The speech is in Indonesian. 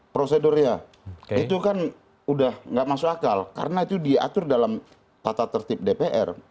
prosedurnya itu kan udah nggak masuk akal karena itu diatur dalam tata tertib dpr